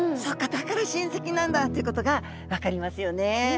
だから親せきなんだということが分かりますよね。